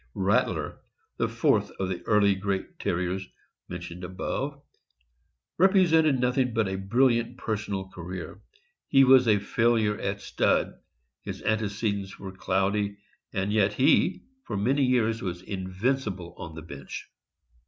Rattler, the fourth of the early great Terriers mentioned above, represented nothing but a brilliant personal career. He was a failure at stud, his antecedents were cloud'y, and yet he for many years was invincible on the bench.